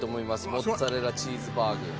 モッツァレラチーズバーグ。